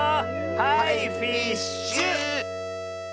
はいフィッシュ！